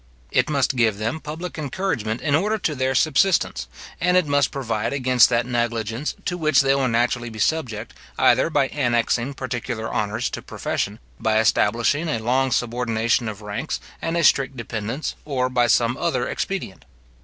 It must give them public encouragement in order to their subsistence; and it must provide against that negligence to which they will naturally be subject, either by annexing particular honours to profession, by establishing a long subordination of ranks, and a strict dependence, or by some other expedient.